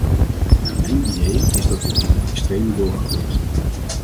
Naar mijn idee is dat tot in het extreme doorgevoerd.